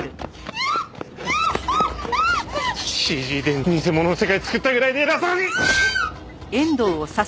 ＣＧで偽物の世界作ったぐらいで偉そうに！